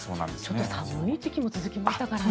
ちょっと寒い時期も続きましたからね。